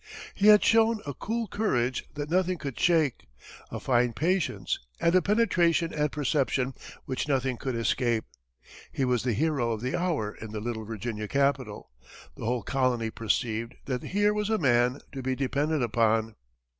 He had shown a cool courage that nothing could shake, a fine patience, and a penetration and perception which nothing could escape. He was the hero of the hour in the little Virginia capital; the whole colony perceived that here was a man to be depended upon.